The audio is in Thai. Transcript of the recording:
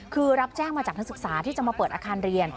คือรับแจ้งมาจากนักศึกษาที่จะมาเปิดอาคารเรียน